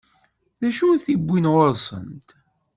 D acu i t-iwwin ɣur-sent?